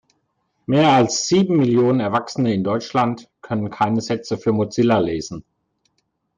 Mehr als sieben Millionen Erwachsene in Deutschland können keine Sätze für Mozilla lesen.